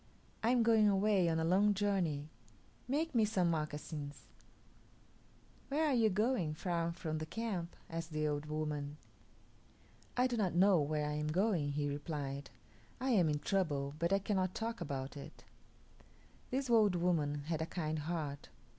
I am going away, on a long journey. Make me some moccasins." "Where are you going far from the camp?" asked the old woman. "I do not know where I am going," he replied; "I am in trouble, but I cannot talk about it." This old woman had a kind heart.